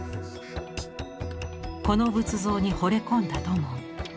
この仏像にほれ込んだ土門。